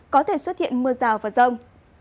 có thể xuất hiện mưa rào và rông